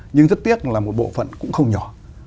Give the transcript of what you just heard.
nhưng rất tiếc là một bộ phận cũng không nhỏ